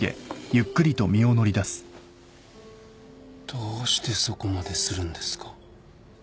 どうしてそこまでするんですか？